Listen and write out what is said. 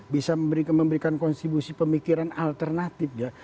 bisa memberikan kontribusi pemikiran alternatif ya